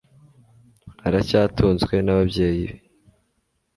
Aracyatunzwe nababyeyi be